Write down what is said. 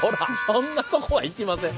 そんなとこは行きません。